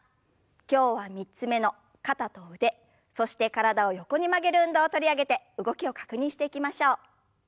今日は３つ目の肩と腕そして体を横に曲げる運動を取り上げて動きを確認していきましょう。